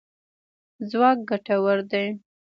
ځواک ګټور دی.